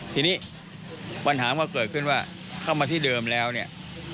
ทีนี้ปัญหามันก็เกิดขึ้นว่าเข้ามาที่เดิมแล้วเนี่ย